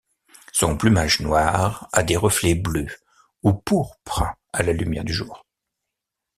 Son plumage noir a des reflets bleus ou pourpres à la lumière du jour.